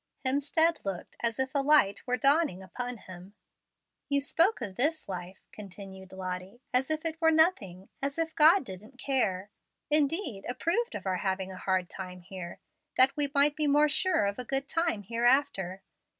Hemstead looked as if a light were dawning upon him. "You spoke of this life," continued Lottie, "as if it were nothing, and as if God didn't care indeed approved of our having a hard time here, that we might be more sure of a good time hereafter.